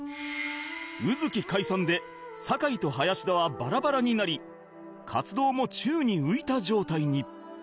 卯月解散で酒井と林田はバラバラになり活動も宙に浮いた状態に